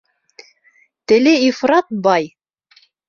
Теле ифрат бай.